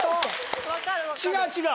違う違う！